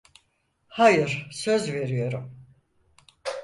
Hayır, söz veriyorum.